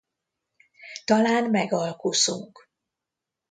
Talán megalkuszunk.